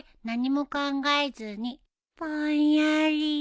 何も考えずにぼんやり。